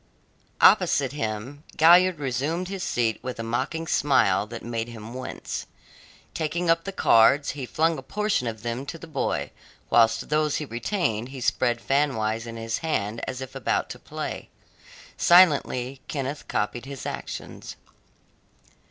Opposite him Galliard resumed his seat with a mocking smile that made him wince. Taking up the cards, he flung a portion of them to the boy, whilst those he retained he spread fanwise in his hand as if about to play. Silently Kenneth copied his actions.